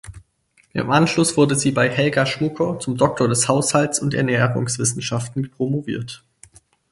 Im Anschluss wurde sie bei Helga Schmucker zum Doktor der Haushalts und Ernährungswissenschaften promoviert.